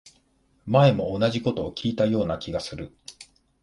前も同じこと聞いたような気がする